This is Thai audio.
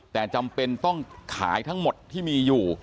แต่จำเป็นต้องขายทั้งหมดที่มีอยู่